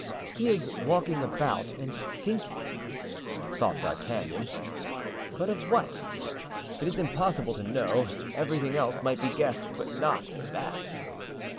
"He is walking about and thinking," thought D'Artagnan; "but of what? It is impossible to know; everything else might be guessed, but not that."